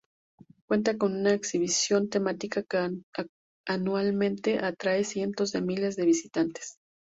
Cuenta con una exhibición temática que anualmente atrae cientos de miles de visitantes.